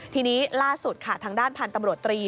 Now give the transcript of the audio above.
ทีนี้ล่าสุดค่ะทางด้านพันธุ์ตำรวจตรี